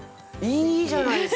いいじゃないですか。